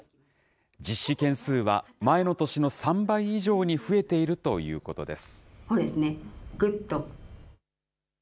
実施件数は前の年の３倍以上に増えているということです。